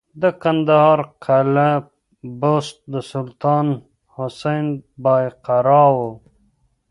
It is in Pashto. د کندهار قلعه بست د سلطان حسین بایقرا و